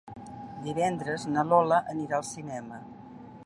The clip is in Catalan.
Divendres na Lola anirà al cinema.